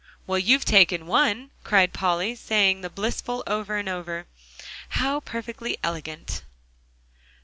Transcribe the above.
"Well, you've taken one," cried Polly, saying the blissful over and over. "How perfectly elegant!"